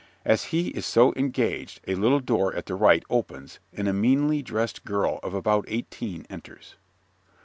As he is so engaged a little door at the right opens and a meanly dressed girl of about eighteen enters.